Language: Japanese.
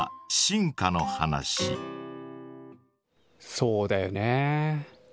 そうだよね。